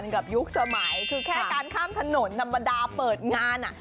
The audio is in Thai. กับยุคสมัยแค่การข้ามถนนนับประดาษเปิดงาน